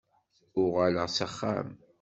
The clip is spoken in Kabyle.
Uɣaleɣ s axxam.